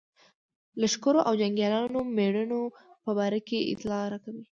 لښکرو او جنګیالیو مېړنو په باره کې اطلاع راکوي.